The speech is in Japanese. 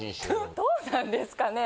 どうなんですかね？